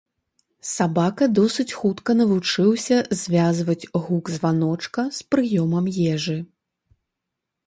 Сабака досыць хутка навучыўся звязваць гук званочка з прыёмам ежы.